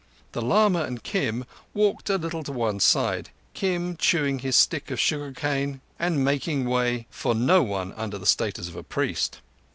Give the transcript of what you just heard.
The lama and Kim walked a little to one side; Kim chewing his stick of sugarcane, and making way for no one under the status of a priest.